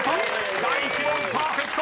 ［第１問パーフェクト！